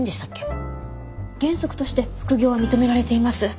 原則として副業は認められています。